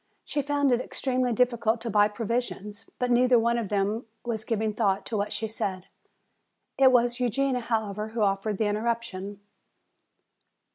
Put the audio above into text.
She found it extremely difficult to buy provisions. But neither one of them was giving thought to what she said. It was Eugenia, however, who offered the interruption.